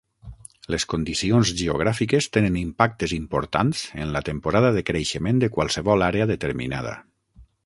Les condicions geogràfiques tenen impactes importants en la temporada de creixement de qualsevol àrea determinada.